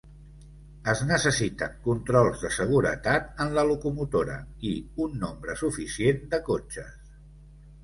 Es necessiten controls de seguretat en la locomotora i un nombre suficient de cotxes.